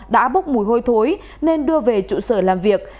đã bốc mùi hôi thối nên đưa về trụ sở làm việc